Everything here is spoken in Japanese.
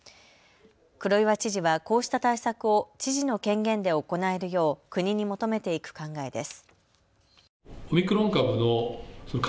黒岩知事はこうした対策を知事の権限で行えるよう国に求めていく考えです。